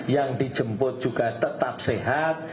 yang dijemput juga tetap sehat